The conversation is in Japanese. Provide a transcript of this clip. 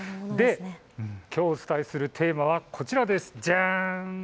きょうお伝えするテーマはこちらです。